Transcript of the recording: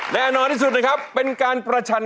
แน่นอนที่สุดนะครับเป็นการประชัน